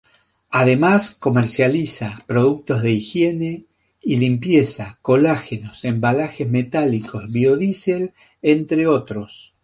Además, comercializa productos de higiene y limpieza, colágeno, embalajes metálicos, biodiesel, entre otros.